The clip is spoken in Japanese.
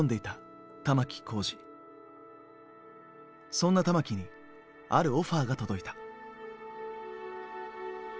そんな玉置にあるオファーが届いた。